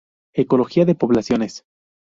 Ecología de poblaciones.